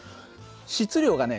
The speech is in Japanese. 質量がね